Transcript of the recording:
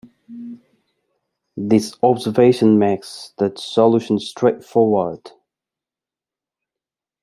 This observation makes the solution straightforward.